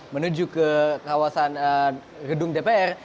menuju ke kawasan gedung dpr